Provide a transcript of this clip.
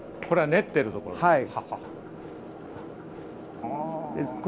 これは練ってるところですか。